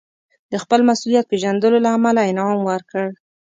د خپل مسوولیت پېژندلو له امله انعام ورکړ.